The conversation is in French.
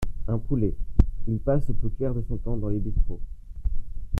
Un poulet, il passe le plus clair de son temps dans les bistrots.